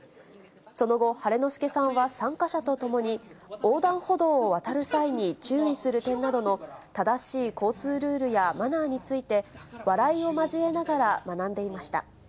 その後、晴の輔さんは参加者と共に、横断歩道を渡る際に注意する点などの正しい交通ルールやマナーについて、笑いを交えながら学んでいました。